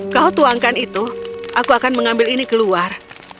kau tuangkan itu aku akan mengambil ini keluar